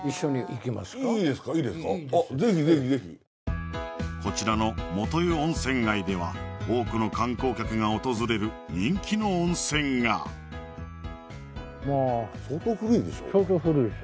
ぜひぜひぜひこちらの元湯温泉街では多くの観光客が訪れる人気の温泉が相当古いでしょ？